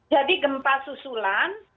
jadi gempa susulan